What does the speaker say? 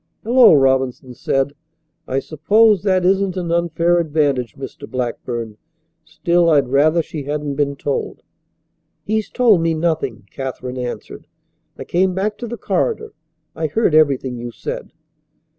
"Hello!" Robinson said, "I suppose that isn't an unfair advantage, Mr. Blackburn. Still, I'd rather she hadn't been told." "He's told me nothing," Katherine answered. "I came back to the corridor; I heard everything you said."